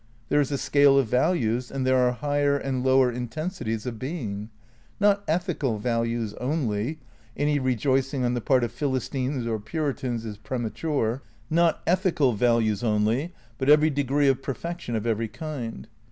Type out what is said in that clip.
There is a scale of values, and there are higher and lower intensities of Being. Not ethical values only — any rejoicing on the part of Philistines or Puritans is premature — not ethical values only, but every degree of perfection of every kind.